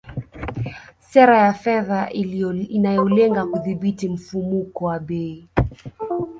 Sera ya fedha inayolenga kudhibiti mfumuko wa bei